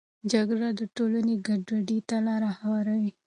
جګړه د ټولنې ګډوډي ته لاره هواروي.